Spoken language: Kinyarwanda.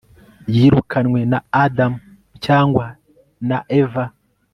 Yirukanwe na Adamu yangwa na Eva